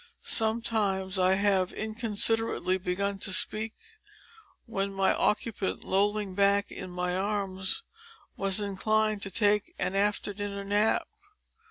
Sometimes I have inconsiderately begun to speak, when my occupant, lolling back in my arms, was inclined to take an after dinner nap.